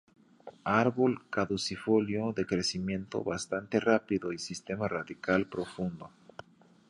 Árbol caducifolio de crecimiento bastante rápido y sistema radical profundo.